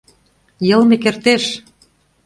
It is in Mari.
Йылме кертеш.